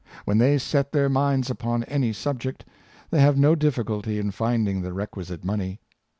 When they set their minds up on any subject, they have no difficulty in finding the requisite money.